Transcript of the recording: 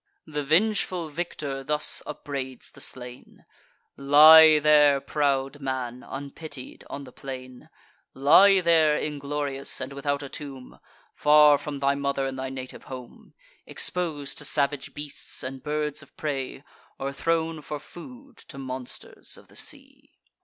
The vengeful victor thus upbraids the slain: "Lie there, proud man, unpitied, on the plain; Lie there, inglorious, and without a tomb, Far from thy mother and thy native home, Exposed to savage beasts, and birds of prey, Or thrown for food to monsters of the sea."